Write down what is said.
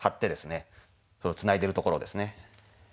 それをつないでるところですね。